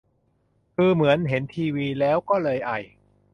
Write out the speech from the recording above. คือเหมือนเห็นทีวีแล้วก็เลยไอ